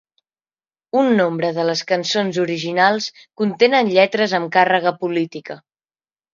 Un nombre de les cançons originals contenen lletres amb càrrega política.